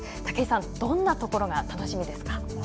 武井さん、どんなところが楽しみですか？